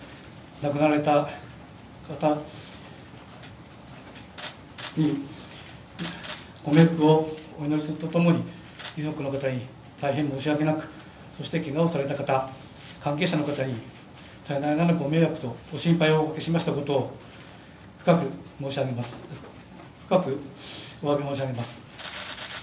亡くなられた方に、ご冥福をお祈りするとともに遺族の方に大変申し訳なく、そして、けがをされた方、関係者の方に多大なるご迷惑とご心配をおかけしたことを深くおわび申し上げます。